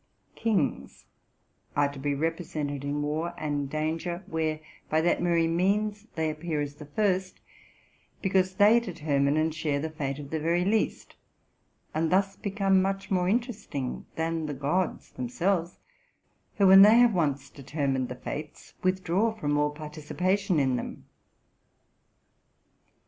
Kings are to be represented in war and danger, where, by that very means, they appear as the first, because they determine and share the fate of the very least, and thus become much more interesting than the gods themselves, who, when they have once determined the fates, withdraw from all participation in them.